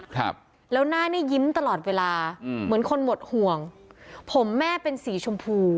ครับแล้วหน้าเนี้ยยิ้มตลอดเวลาอืมเหมือนคนหมดห่วงผมแม่เป็นสีชมพู